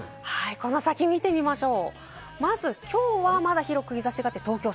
この先、見てみましょう。